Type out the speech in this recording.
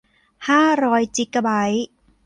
ห้าร้อยจิกะไบต์